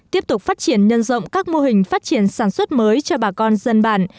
tiếp tục phát triển nhân rộng các mô hình phát triển sản xuất mới cho bà con dân bản